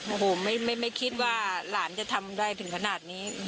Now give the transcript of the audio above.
โอ้โหไม่คิดว่าหลานจะทำได้ถึงขนาดนี้